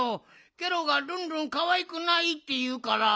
ケロがルンルンかわいくないっていうから。